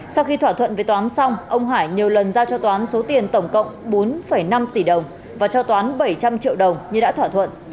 sau khi thỏa thuận với toán xong ông hải nhiều lần giao cho toán số tiền tổng cộng bốn năm tỷ đồng và cho toán bảy trăm linh triệu đồng như đã thỏa thuận